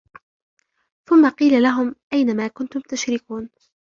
ثم قيل لهم أين ما كنتم تشركون